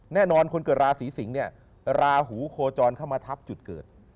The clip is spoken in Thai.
แน่นอนคนเกิดราศีสิงศ์เนี่ยราหูโคจรเข้ามาทับจุดเกิด